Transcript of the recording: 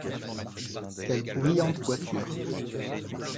Quelles bruyantes voitures !